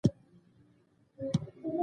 ښارونه د افغانستان په اوږده تاریخ کې دي.